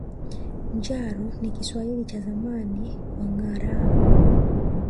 Njaro ni Kiswahili cha zamani kwa ngâara